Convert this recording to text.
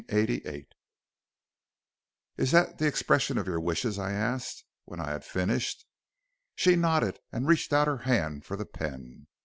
} "'Is that the expression of your wishes?' I asked, when I had finished. "She nodded, and reached out her hand for the pen.